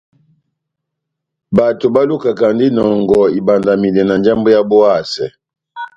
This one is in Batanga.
Bato balukakandini inɔngɔ ibandamidɛ na njambwɛ yábu ehasɛ.